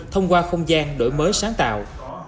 thông qua không gian đổi mới sáng tạo